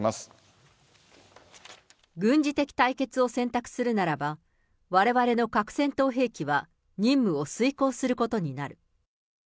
軍事的対決を選択するならば、われわれの核戦闘兵器は任務を遂行することになる。